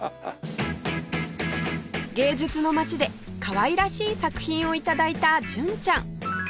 芸術の街でかわいらしい作品を頂いた純ちゃん